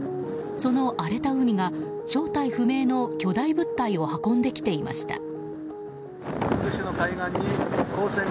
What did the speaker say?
その荒れた海が正体不明の巨大物体を運んできていました。